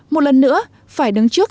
một lần nữa phải đứng trước